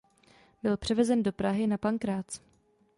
Byl převezen do Prahy na Pankrác.